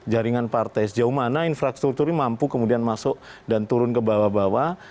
jaringan partai sejauh mana infrastruktur ini mampu kemudian masuk dan turun ke bawah bawah